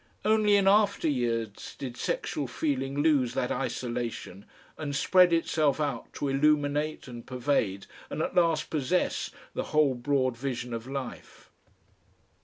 Only in after years did sexual feeling lose that isolation and spread itself out to illuminate and pervade and at last possess the whole broad vision of life.